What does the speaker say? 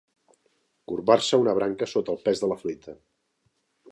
Corbar-se una branca sota el pes de la fruita.